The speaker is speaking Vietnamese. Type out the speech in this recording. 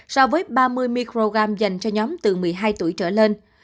so với ba mươi microgram dành cho nhóm từ một mươi hai tuổi trở lên